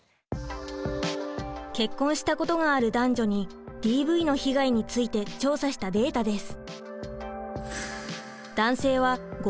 結婚したことがある男女にＤＶの被害について調査したデータです。